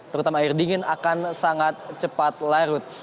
terutama air dingin akan sangat cepat larut